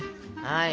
はい。